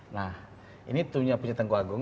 nah ini punya pusat tengku agung